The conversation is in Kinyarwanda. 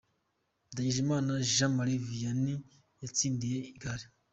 Ndagijimana Jean Mari Vianney yatsindiye igare.